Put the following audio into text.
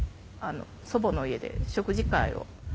祖母の家で食事会を。